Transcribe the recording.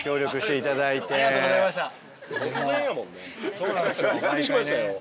そうなんですよ。